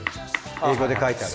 英語で書いてある。